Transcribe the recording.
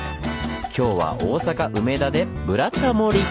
今日は大阪・梅田で「ブラタモリ」！